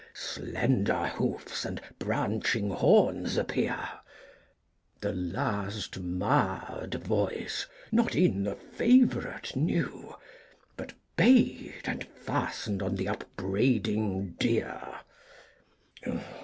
slender hoofs and branching horns appear I The last marr'd voice not e'en the favourite knew, But bay'd and fasten'd on the upbraiding deer.